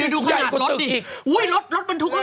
ดูขนาดรถดิรถมันทุกข้างข้างติดต่อมา